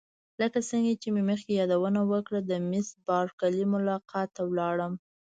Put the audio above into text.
لکه څنګه چې مې مخکې یادونه وکړه د میس بارکلي ملاقات ته ولاړم.